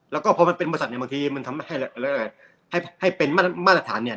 แล้วก็พอมันเป็นบริษัทเนี่ยบางทีมันทำให้เป็นมาตรฐานเนี่ย